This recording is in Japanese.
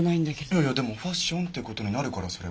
いやいやでもファッションってことになるからそれは。